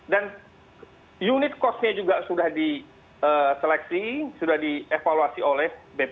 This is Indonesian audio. dan unit cost nya juga sudah diseleksi sudah dievaluasi oleh bpkp